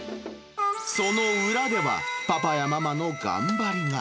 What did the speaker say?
その裏では、パパやママの頑張りが。